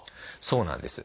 そうなんです。